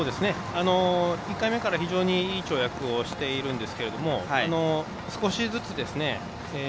１回目から非常にいい跳躍をしているんですけれど少しずつですね。